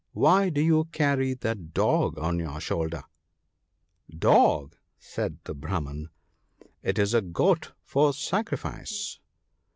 why do you carry that dog on your shoulder ?"" Dog !" said the Brahman, " it is a goat for sacrifice